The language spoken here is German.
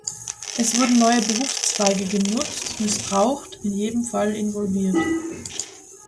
Es wurden neue Berufszweige genutzt, missbraucht, in jedem Fall involviert.